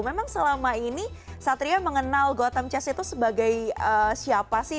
memang selama ini satria mengenal gotham chess itu sebagai siapa sih